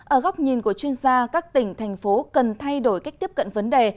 ở góc nhìn của chuyên gia các tỉnh thành phố cần thay đổi cách tiếp cận vấn đề